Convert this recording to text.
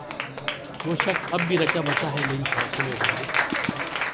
وہ شخص اب بھی رچا بسا ہے میری سانسوں میں غالب